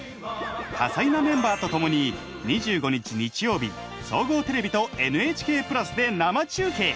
多彩なメンバーとともに２５日、日曜日総合テレビと「ＮＨＫプラス」で生中継。